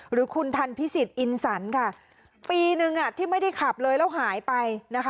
หรือคุณทันพิษิตอินสันปีนึงที่ไม่ได้ขับเลยแล้วหายไป